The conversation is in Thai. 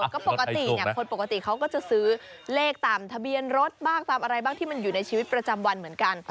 ก็ปกติคนปกติเขาก็จะซื้อเลขตามทะเบียนรถบ้างตามอะไรบ้างที่มันอยู่ในชีวิตประจำวันเหมือนกัน